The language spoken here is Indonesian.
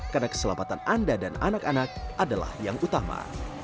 karena keselamatan anda dan anak anak adalah yang utama